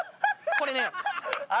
これね。